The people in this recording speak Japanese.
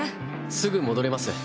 すぐ戻ります。